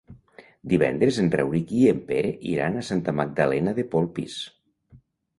Divendres en Rauric i en Pere iran a Santa Magdalena de Polpís.